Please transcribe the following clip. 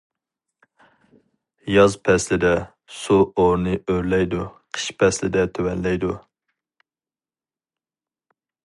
ياز پەسلىدە سۇ ئورنى ئۆرلەيدۇ، قىش پەسلىدە تۆۋەنلەيدۇ.